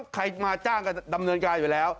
ใครมาจ้างก็ดำเนินการอยู่แล้ว